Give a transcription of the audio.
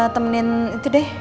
temenin itu deh